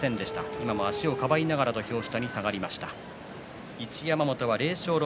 今も足をかばいながら土俵下に下がりました。